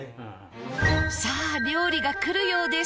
さあ料理がくるようです。